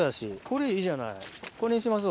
これいいじゃない。ＯＫ。